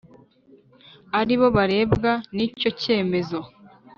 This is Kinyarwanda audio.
Ari bo barebwa n icyo kemezo